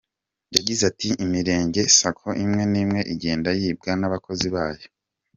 Yagize ati “Imirenge Sacco imwe n’imwe igenda yibwa n’abakozi bayo.